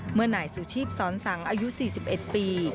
เมื่อนายสุชีพสอนสังอายุ๔๑ปี